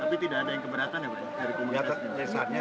tapi tidak ada yang keberatan ya